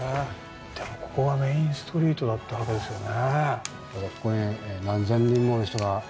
でもここがメインストリートだったわけですよね。